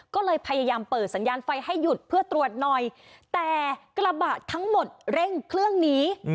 ก็เลยพยายามเปิดสัญญาณไฟให้หยุดเพื่อตรวจหน่อยแต่กระบะทั้งหมดเร่งเครื่องหนี